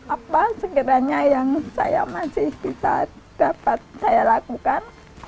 apa sekiranya yang saya masih bisa dapat saya lakukan